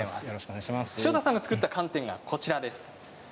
塩田さんが作った寒天がこちらです。